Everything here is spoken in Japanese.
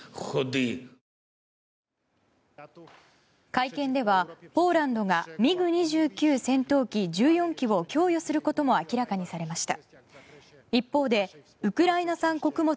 会見ではポーランドがＭｉＧ２９戦闘機、１４機を供与することも明らかにされました。